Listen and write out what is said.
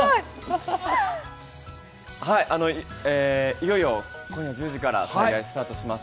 いよいよ今夜１０時から「最愛」スタートします。